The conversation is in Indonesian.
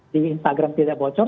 di instagram tidak bocor